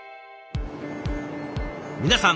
皆さん